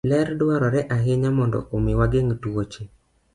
Ler dwarore ahinya mondo omi wageng' tuoche.